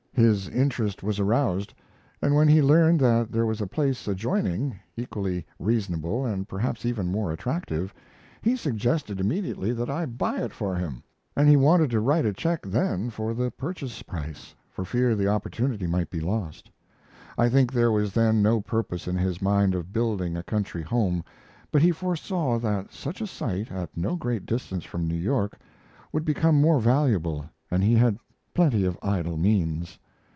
His interest was aroused, and when he learned that there was a place adjoining, equally reasonable and perhaps even more attractive, he suggested immediately that I buy it for him; and he wanted to write a check then for the purchase price, for fear the opportunity might be lost. I think there was then no purpose in his mind of building a country home; but he foresaw that such a site, at no great distance from New York, would become more valuable, and he had plenty of idle means.